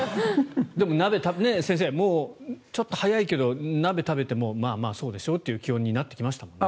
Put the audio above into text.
でも先生、ちょっと早いけど鍋を食べてもまあまあ、そうでしょうという気温になってきましたもんね。